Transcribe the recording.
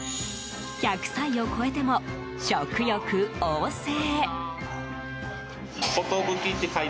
１００歳を超えても食欲旺盛。